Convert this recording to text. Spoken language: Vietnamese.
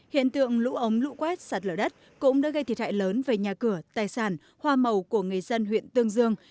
hiện tượng lũ ống lũ quét sạt lở đất cũng đã gây thiệt hại lớn về nhà cửa tài sản hoa màu của người dân huyện tương dương